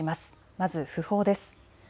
まず訃報です。